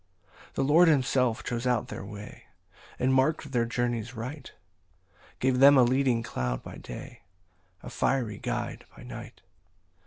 16 The Lord himself chose out their way, And mark'd their journies right, Gave them a leading cloud by day, A fiery guide by night.